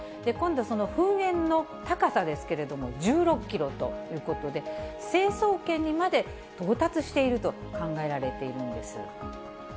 今度、その噴煙の高さですけれども、１６キロということで、成層圏にまで到達していると考えられているんです。